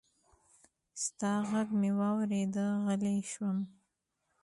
ستا غږ مې واورېد، غلی شوم